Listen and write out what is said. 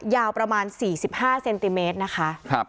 ยาวประมาณ๔๕เซนติเมตรนะคะ